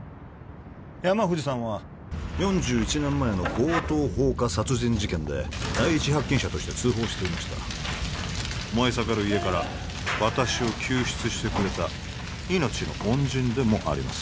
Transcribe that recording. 山藤さんは４１年前の強盗放火殺人事件で第一発見者として通報していました燃え盛る家から私を救出してくれた命の恩人でもあります